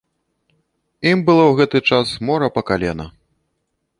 Ім было ў гэты час мора па калена.